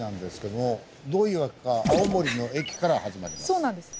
どういうわけか青森の駅から始まります。